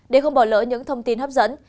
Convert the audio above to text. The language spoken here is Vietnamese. để không bỏ lỡ những thông tin hấp dẫn